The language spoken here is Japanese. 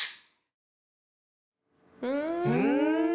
うん。